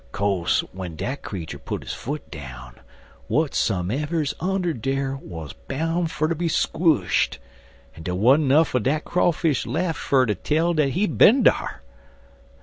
Co'se w'en dat creetur put his foot down, w'atsumever's under dar wuz boun' fer ter be squshed, en dey wa'n't nuff er dat Crawfish lef' fer ter tell dat he'd bin dar.